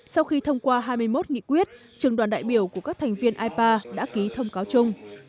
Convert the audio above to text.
sau khi thông qua hai mươi một nghị quyết trường đoàn đại biểu của các thành viên ipa đã ký thông cáo chung